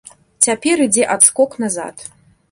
Цяпер ідзе адскок назад.